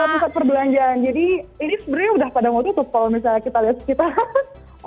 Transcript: pusat perbelanjaan jadi ini sebenarnya udah pada mau tutup kalau misalnya kita lihat sekitar